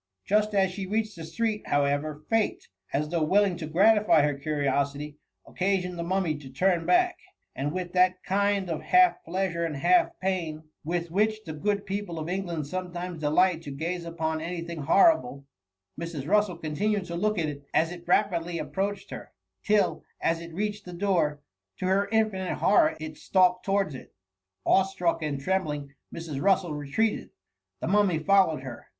Just as she reached the street, however, fate, as though willing to gratify her curiosity, occasioned the Mummy to turn back ; and with that kind of half pleasure and half pain, with which the good people of England sometimes delight to gaze upon any thing horrible, Mrs. Russel continued to look as it rapidly ap proached her, till, as it reached the door, to her infinite horror it stalked towards it. Awe struck and trembling, Mrs. Russel retreated. The Mummy followed her.